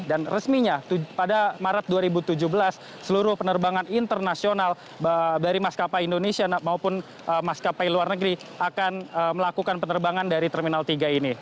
dan resminya pada maret dua ribu tujuh belas seluruh penerbangan internasional dari maskapai indonesia maupun maskapai luar negeri akan melakukan penerbangan dari terminal tiga ini